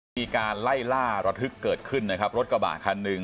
มีการไล่ล่าระทึกเกิดขึ้นนะครับรถกระบะคันหนึ่ง